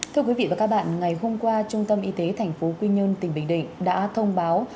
thưa quý vị và các bạn ngày hôm qua trung tâm y tế tp quy nhơn tỉnh bình định đã thông báo